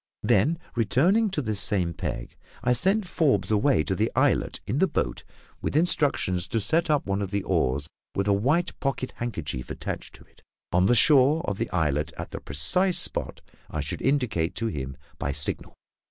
Then, returning to this same peg, I sent Forbes away to the islet in the boat, with instructions to set up one of the oars, with a white pocket handkerchief attached to it, on the shore of the islet at the precise spot I should indicate to him by signal.